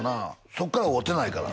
そっから会うてないから